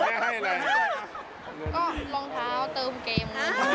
ก็รองเท้าเติมเกมนะ